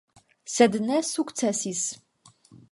Sed ne sukcesis.